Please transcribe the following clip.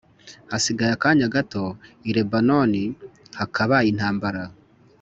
Hasigaye akanya gato i Lebanoni hakaba intambara